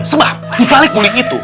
sebab dibalik guling itu